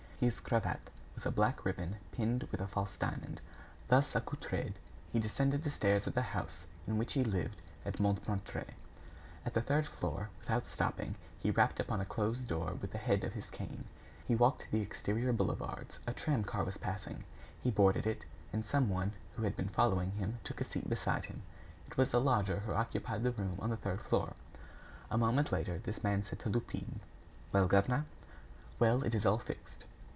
His cravat was a black ribbon pinned with a false diamond. Thus accoutred, he descended the stairs of the house in which he lived at Montmartre. At the third floor, without stopping, he rapped on a closed door with the head of his cane. He walked to the exterior boulevards. A tram car was passing. He boarded it, and some one who had been following him took a seat beside him. It was the lodger who occupied the room on the third floor. A moment later, this man said to Lupin: "Well, governor?" "Well, it is all fixed."